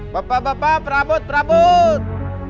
bapak bapak prabut prabut